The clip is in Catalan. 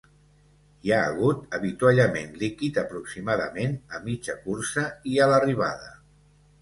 Hi ha hagut avituallament líquid aproximadament a mitja cursa i a l’arribada.